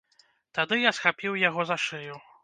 Тады я схапіў яго за шыю.